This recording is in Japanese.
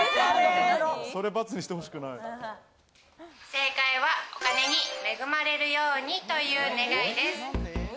正解は、お金に恵まれるようにという願いです。